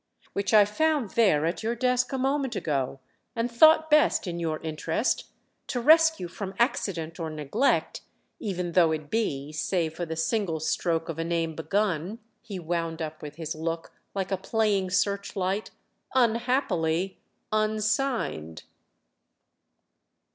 "Which I found there at your desk a moment ago, and thought best, in your interest, to rescue from accident or neglect; even though it be, save for the single stroke of a name begun," he wound up with his look like a playing searchlight, "unhappily unsigned."